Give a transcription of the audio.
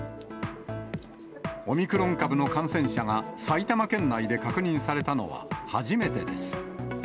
オミクロン株の感染者が埼玉県内で確認されたのは初めてです。